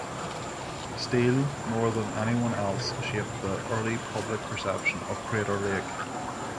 Steel more than anyone else shaped the early public perception of Crater Lake.